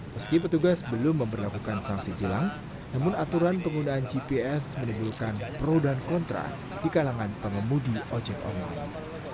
meski petugas belum memperlakukan sanksi jelang namun aturan penggunaan gps menimbulkan pro dan kontra di kalangan pengemudi ojek online